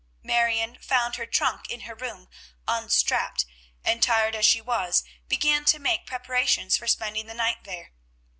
Marion found her trunk in her room unstrapped, and, tired as she was, began to make preparations for spending the night there.